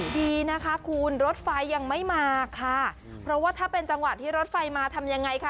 ดีนะคะคุณรถไฟยังไม่มาค่ะเพราะว่าถ้าเป็นจังหวะที่รถไฟมาทำยังไงคะ